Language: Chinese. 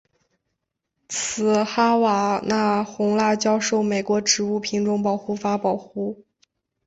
此哈瓦那红辣椒受美国植物品种保护法保护。